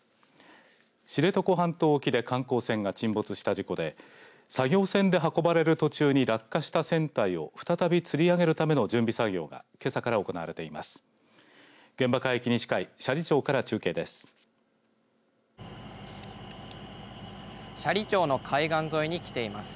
知床半島沖で観光船が沈没した事故で作業船で運ばれる途中に落下した船体を再びつり上げるための準備作業がけさから行われています。